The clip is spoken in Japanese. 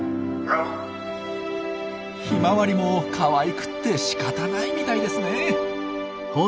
ヒマワリもかわいくてしかたないみたいですね。